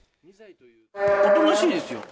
おとなしいですよ。